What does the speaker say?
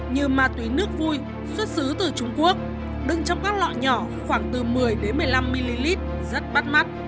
như ma túy nước vui xuất xứ từ trung quốc đứng trong các lọ nhỏ khoảng từ một mươi một mươi năm ml rất bắt mắt